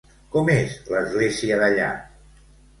Com és l'església d'allà?